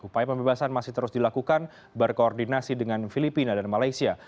upaya pembebasan masih terus dilakukan berkoordinasi dengan filipina dan malaysia